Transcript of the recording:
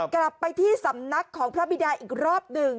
กลับไปที่สำนักของพระบิดาอีกรอบหนึ่ง